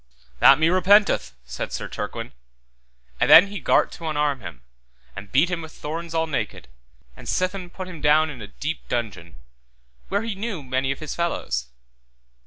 That me repenteth, said Sir Turquine. And then he gart to unarm him, and beat him with thorns all naked, and sithen put him down in a deep dungeon, where he knew many of his fellows.